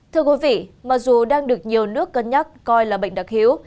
thưa quý vị mặc dù đang được nhiều nước cân nhắc coi là bệnh đặc hiếu